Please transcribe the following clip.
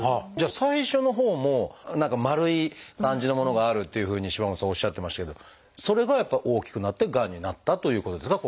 最初のほうも何か丸い感じのものがあるっていうふうに島本さんおっしゃってましたけどそれがやっぱ大きくなってがんになったということですか？